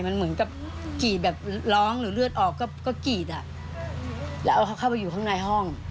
มันเหมือนกับกรีดแบบร้องหรือเลือดออกก็กรีดอ่ะแล้วเอาเขาเข้าไปอยู่ข้างในห้อง